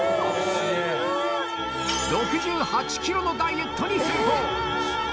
６８ｋｇのダイエットに成功